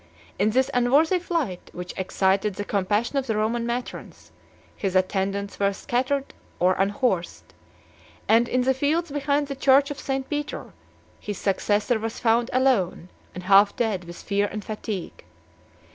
In this unworthy flight, which excited the compassion of the Roman matrons, his attendants were scattered or unhorsed; and, in the fields behind the church of St. Peter, his successor was found alone and half dead with fear and fatigue.